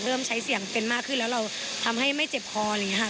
เริ่มใช้เสียงเป็นมากขึ้นแล้วเราทำให้ไม่เจ็บคออะไรอย่างนี้ค่ะ